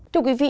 chào quý vị